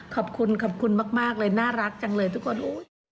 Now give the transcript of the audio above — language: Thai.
ขอบคุณขอบคุณมากเลยน่ารักจังเลยทุกคน